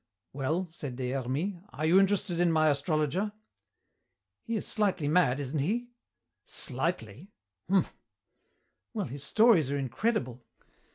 "Well," said Des Hermies, "are you interested in my astrologer?" "He is slightly mad, isn't he?" "Slightly? Humph." "Well, his stories are incredible."